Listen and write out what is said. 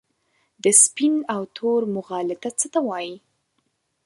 د سپین او تور مغالطه څه ته وايي؟